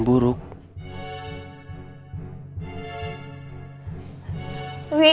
aku mau ke rumah